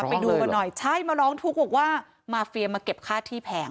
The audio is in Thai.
ไปดูกันหน่อยใช่มาร้องทุกข์บอกว่ามาเฟียมาเก็บค่าที่แพง